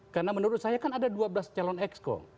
karena menurut saya kan ada dua belas calon exco